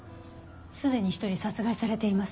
すでに１人殺害されています。